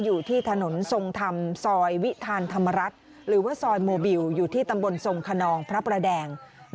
อยู่ที่ถนนทรงธรรมซอยวิทานธรรมรัฐหรือว่าซอยโมบิลอยู่ที่ตำบลทรงขนองพระประแดง